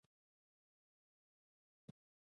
افغانستان تر هغو نه ابادیږي، ترڅو ولور کم نشي.